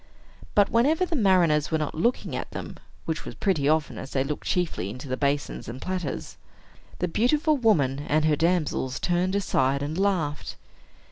But whenever the mariners were not looking at them (which was pretty often, as they looked chiefly into the basins and platters), the beautiful woman and her damsels turned aside, and laughed.